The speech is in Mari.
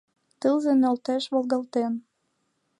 Тылзе нӧлтеш волгалтен